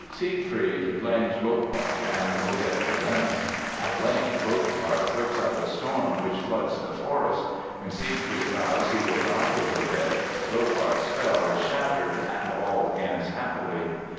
Siegfried blames Rotbart and Odette relents. At length Rotbart whips up a storm which floods the forest. When Siegfried vows he will die with Odette, Rotbart's spell is shattered and all ends happily.